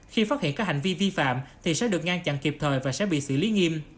khi phát hiện các hành vi vi phạm thì sẽ được ngăn chặn kịp thời và sẽ bị xử lý nghiêm